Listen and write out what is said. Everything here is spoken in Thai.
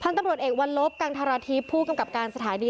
พรรณปรถเอกวันลบกลางธรทิพย์ผู้กำกับการสถายดี